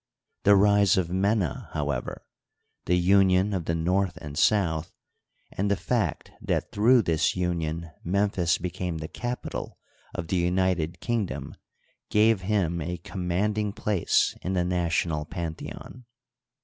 The rise of Mena, however, the union of the North and South, and the fact that through this union Memphis be came the capital of the united kingdom, gave him a com manding place in the national pantheon.